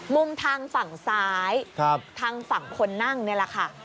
มุมทางฝั่งซ้ายทางฝั่งคนนั่งนี่แหละค่ะ